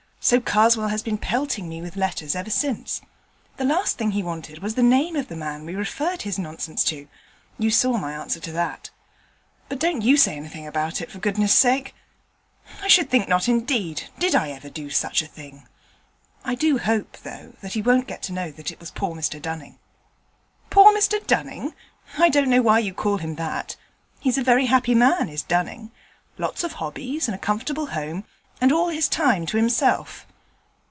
So Karswell has been pelting me with letters ever since. The last thing he wanted was the name of the man we referred his nonsense to; you saw my answer to that. But don't you say anything about it, for goodness' sake.' 'I should think not, indeed. Did I ever do such a thing? I do hope, though, he won't get to know that it was poor Mr Dunning.' 'Poor Mr Dunning? I don't know why you call him that; he's a very happy man, is Dunning. Lots of hobbies and a comfortable home, and all his time to himself.'